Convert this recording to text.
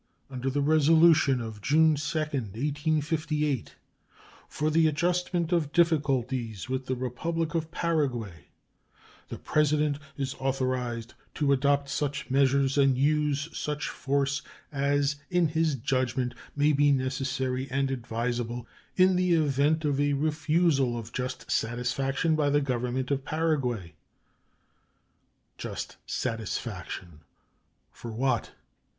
Under the resolution of June 2, 1858, "for the adjustment of difficulties with the Republic of Paraguay," the President is "authorized to adopt such measures and use such force as in his judgment may be necessary and advisable in the event of a refusal of just satisfaction by the Government of Paraguay." "Just satisfaction" for what?